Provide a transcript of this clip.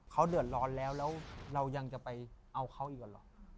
เขาเดือดร้อนแล้วแล้วเรายังจะไปเอาเขาอีกเหรอ